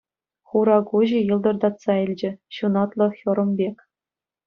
Хура куҫӗ йӑлтӑртатса илчӗ — ҫунатлӑ хӑрӑм пек.